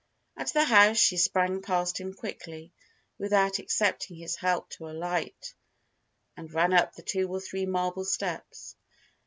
At the house she sprang past him quickly, without accepting his help to alight, and ran up the two or three marble steps.